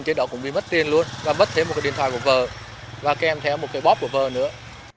trên đó cũng bị mất tiền luôn và mất thêm một cái điện thoại của vợ và kèm theo một cái bóp của vợ nữa